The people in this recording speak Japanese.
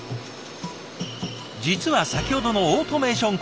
実は先ほどのオートメーション